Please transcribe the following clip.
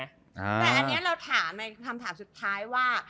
แต่อันนี้เราถามในคำถามสุดท้ายว่า